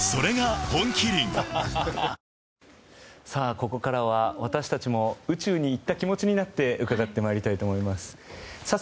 ここからは、私たちも宇宙に行った気持ちになって伺ってまいりたいと思います。